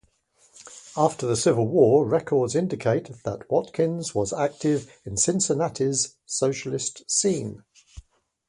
After the Civil War, records indicate that Watkin was active in Cincinnati's socialist scene.